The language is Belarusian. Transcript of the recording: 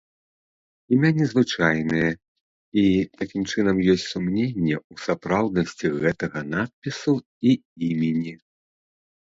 Імя незвычайнае і, такім чынам, ёсць сумненне ў сапраўднасці гэтага надпісу і імені.